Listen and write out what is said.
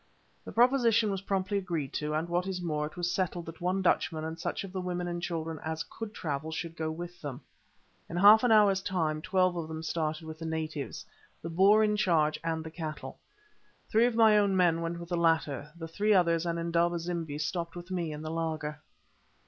The proposition was promptly agreed to, and, what is more, it was settled that one Dutchman and such of the women and children as could travel should go with them. In half an hour's time twelve of them started with the natives, the Boer in charge, and the cattle. Three of my own men went with the latter, the three others and Indaba zimbi stopped with me in the laager.